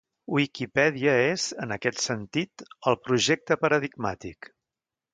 Wikipedia és, en aquest sentit, el projecte paradigmàtic.